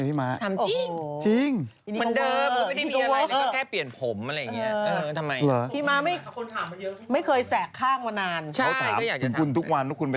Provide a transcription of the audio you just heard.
หมายพอดีนะ